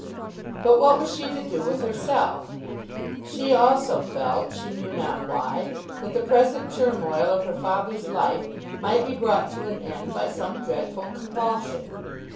But what was she to do with herself? She also felt, she knew not why, that the present turmoil of her father's life might be brought to an end by some dreadful convulsion.